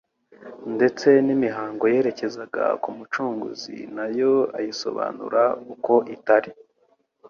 ndetse n'imihango yerekezaga ku Mucunguzi na yo ayisobanura uko itari